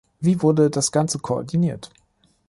Wie wurde das Ganze koordiniert?